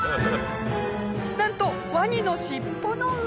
なんとワニの尻尾の上。